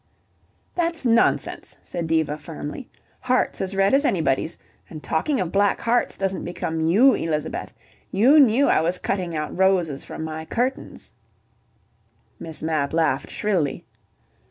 "That's nonsense," said Diva firmly. "Heart's as red as anybody's, and talking of black hearts doesn't become YOU, Elizabeth. You knew I was cutting out roses from my curtains " Miss Mapp laughed shrilly.